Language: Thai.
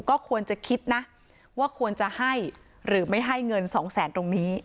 ก็ควรจะคิดนะว่าควรจะให้หรือไม่ให้เงินสองแสนตรงนี้